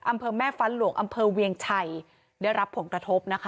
อำเภอแม่ฟ้าหลวงอำเภอเวียงชัยได้รับผลกระทบนะคะ